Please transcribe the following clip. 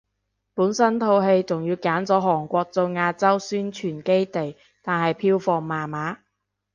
本身套戲仲要揀咗韓國做亞洲宣傳基地，但係票房麻麻